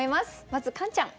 まずカンちゃん。